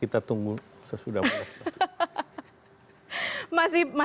kita tunggu sesudah mulai